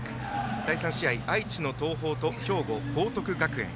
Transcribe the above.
第３試合、愛知の東邦と兵庫・報徳学園。